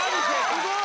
・すごい！